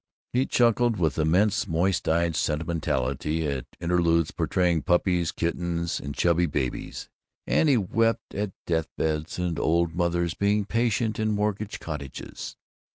He chuckled with immense, moist eyed sentimentality at interludes portraying puppies, kittens, and chubby babies; and he wept at deathbeds and old mothers being patient in mortgaged cottages.